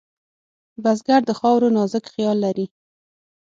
بزګر د خاورو نازک خیال لري